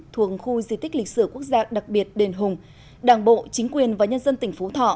thuồng khu di tích lịch sử quốc gia đặc biệt đền hùng đảng bộ chính quyền và nhân dân tỉnh phú thọ